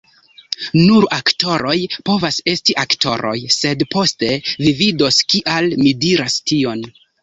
"Nur aktoroj povas esti aktoroj." sed poste, vi vidos kial mi diras tion.